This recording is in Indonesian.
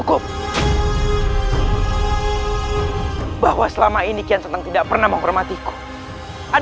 apakah ini seperti ini